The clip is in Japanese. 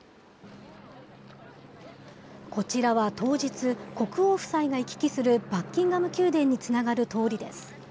こちらは当日、国王夫妻が行き来するバッキンガム宮殿につながる通りです。